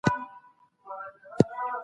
زده کړه د ښوونکي له خوا کيږي.